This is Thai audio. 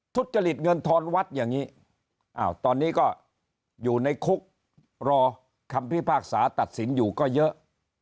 ทุจริตเงินทอนวัดอย่างนี้ตอนนี้ก็อยู่ในคุกรอคำพิพากษาตัดสินอยู่ก็เยอะ